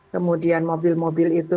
kemudian mobil mobil itu